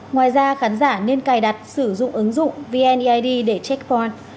ngoài ra khán giả nên cài đặt sử dụng ứng dụng vneid để checkpoint